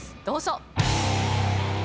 どうぞ。